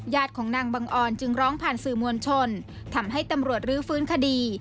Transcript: ของนางบังออนจึงร้องผ่านสื่อมวลชนทำให้ตำรวจรื้อฟื้นคดี